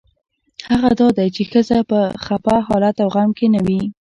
هغه دا دی چې ښځه په خپه حالت او غم کې نه وي.